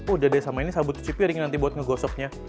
udah deh sama ini sabut cuci piring nanti buat ngegosoknya